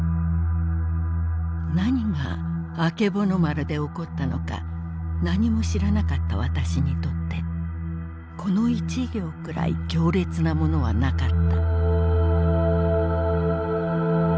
なにが『あけぼの丸』で起ったのかなにも知らなかった私にとってこの一行くらい強烈なものはなかった」。